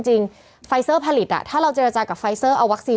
เพื่อไม่ให้เชื้อมันกระจายหรือว่าขยายตัวเพิ่มมากขึ้น